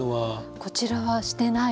こちらはしてないですね。